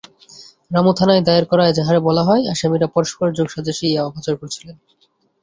রামু থানায় দায়ের করা এজাহারে বলা হয়, আসামিরা পরস্পর যোগসাজশে ইয়াবা পাচার করছিল।